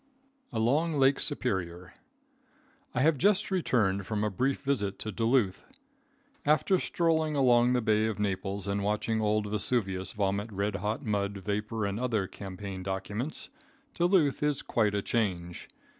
Along Lake Superior. I have just returned from a brief visit to Duluth. After strolling along the Bay of Naples and watching old Vesuvius vomit red hot mud, vapor and other campaign documents, Duluth is quite a change.